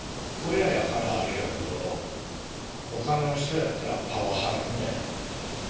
親やからあれやけどほかの人やったらパワハラみたいな感じでした？